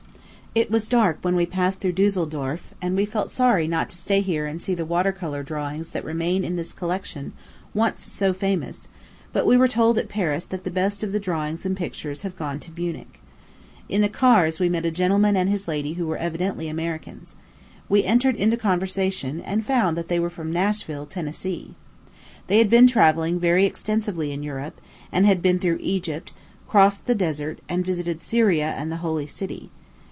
It was dark when we passed through Dusseldorf; and we felt sorry not to stay here and see the water color drawings that remain in this collection, once so famous; but we were told at Paris that the best of the drawings and pictures have gone to Munich. In the cars we met a gentleman and his lady who were evidently Americans. We entered into conversation, and found they were from Nashville, Tennessee. They bad been travelling very extensively in Europe, and had been through Egypt, crossed the desert, and visited Syria and the Holy City.